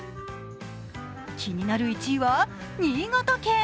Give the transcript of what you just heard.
気になる１位は新潟県。